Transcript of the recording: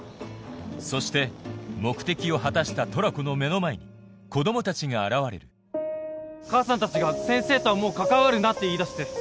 そして目的を果たしたトラコの目の前に子供たちが現れる母さんたちが先生とはもう関わるなって言い出して。